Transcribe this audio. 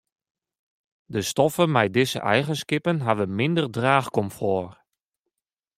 De stoffen mei dizze eigenskippen hawwe minder draachkomfort.